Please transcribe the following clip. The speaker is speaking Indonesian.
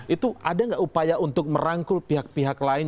itu ada nggak upaya untuk merangkul pihak pihak lain